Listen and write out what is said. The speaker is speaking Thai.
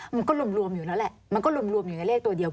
มันก็รวมอยู่แล้วแหละมันก็รวมอยู่ในเลขตัวเดียว